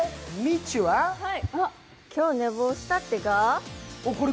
今日寝坊したってが？